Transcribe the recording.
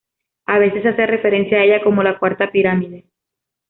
A veces se hace referencia a ella como la "Cuarta Pirámide".